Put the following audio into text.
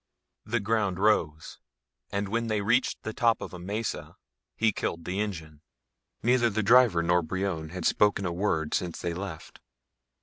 The ground rose, and when they reached the top of a mesa he killed the engine. Neither the driver nor Brion had spoken a word since they left.